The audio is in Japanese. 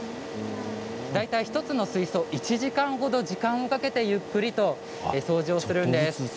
大体１つの水槽を、１時間ほど時間をかけてゆっくりと掃除をするということです。